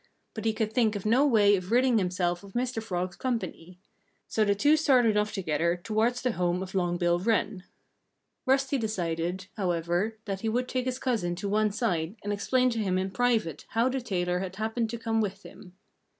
But he could think of no way of ridding himself of Mr. Frog's company. So the two started off together towards the home of Long Bill Wren. Rusty decided, however, that he would take his cousin to one side and explain to him in private how the tailor had happened to come with him.